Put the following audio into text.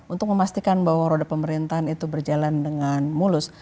untuk memastikan bahwa roda pemerintahan itu berjalan dengan mulus